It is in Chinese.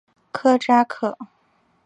科扎克。